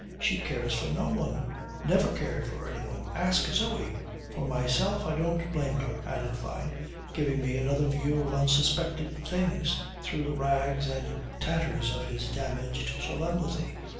She cares for no one. Never cared for anyone. Ask Zoe. For myself I don't blame her," added Fyne, giving me another view of unsuspected things through the rags and tatters of his damaged solemnity.